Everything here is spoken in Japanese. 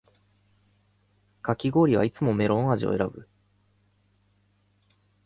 かき氷はいつもメロン味を選ぶ